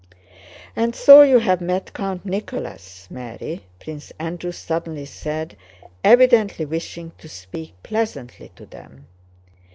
"And so you have met Count Nicholas, Mary?" Prince Andrew suddenly said, evidently wishing to speak pleasantly to them.